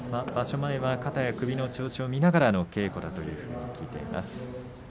前は肩や首の調子を見ながらの稽古だというふうに聞いています。